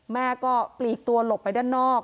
แม่ก็ปลีกตัวหลบไปด้านนอก